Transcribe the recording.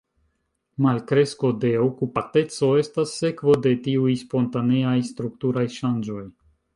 Malkresko de okupateco estas sekvo de tiuj spontaneaj strukturaj ŝanĝoj.